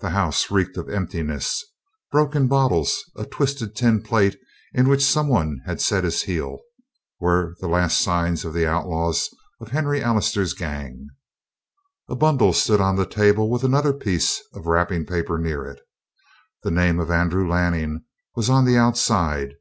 The house reeked of emptiness; broken bottles, a twisted tin plate in which some one had set his heel, were the last signs of the outlaws of Henry Allister's gang. A bundle stood on the table with another piece of the wrapping paper near it. The name of Andrew Lanning was on the outside.